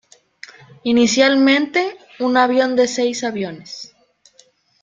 Inicialmente, un avión de seis aviones.